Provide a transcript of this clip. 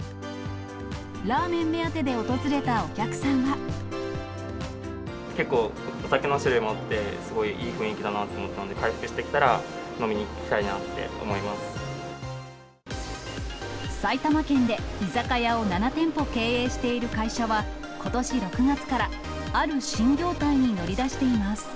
ラーメン目当てで訪れたお客結構、お酒の種類も多くて、すごいいい雰囲気だなと思ったんで、回復してきたら、埼玉県で居酒屋を７店舗経営している会社は、ことし６月から、ある新業態に乗り出しています。